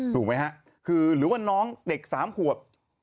ถูกไหมฮะคือหรือว่าน้องเด็ก๓ขวบ